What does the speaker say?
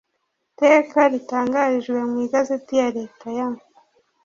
teka ritangarijwe mu igazeti ya leta ya